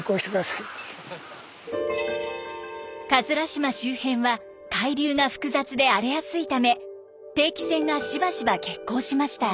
島周辺は海流が複雑で荒れやすいため定期船がしばしば欠航しました。